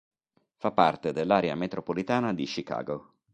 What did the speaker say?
Fa parte dell'area metropolitana di Chicago.